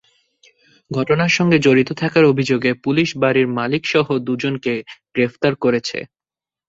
ঘটনার সঙ্গে জড়িত থাকার অভিযোগে পুলিশ বাড়ির মালিকসহ দুজনকে গ্রেপ্তার করেছে।